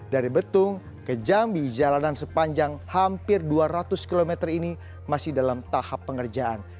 dari betung ke jambi jalanan sepanjang hampir dua ratus km ini masih dalam tahap pengerjaan